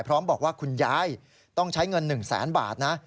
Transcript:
พร้อมบอกว่าคุณยายต้องใช้เงิน๑แสนบาทนะ